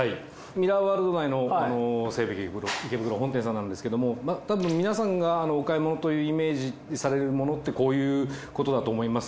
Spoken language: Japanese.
ミラーワールド内の西武池袋本店さんなんですけどもたぶん皆さんがお買い物とイメージされるものってこういうことだと思います。